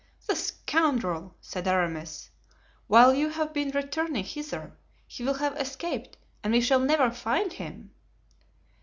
"The scoundrel!" said Aramis. "While you have been returning hither he will have escaped and we shall never find him."